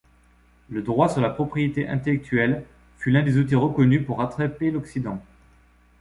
Le droit sur la propriété intellectuelle fut l’un des outils reconnus pour rattraper l’Occident.